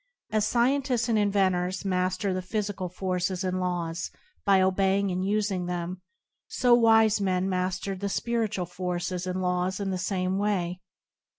As scientists and inventors mas ter the physical forces and laws by obeying and using them, so wise men master the spiritual forces and laws in the same way.